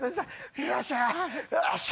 よっしゃ。